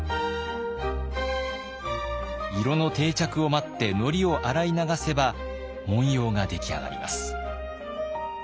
色の定着を待ってのりを洗い流せば紋様が出来上がります。